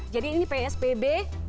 jadi ini psbb